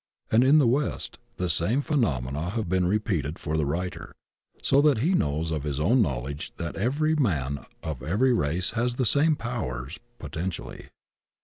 And in the West the same phenomena have been repeated for the writer, so that he knows of his own knowledge that every man of every race has the same powers potentially.